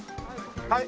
はい。